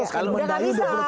kalau mendayung di dua karang